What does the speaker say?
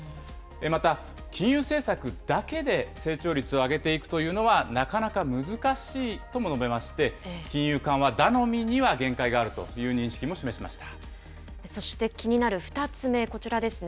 また、金融政策だけで成長率を上げていくというのはなかなか難しいとも述べまして、金融緩和頼みには限界があるという認識も示しそして、気になる２つ目、こちらですね。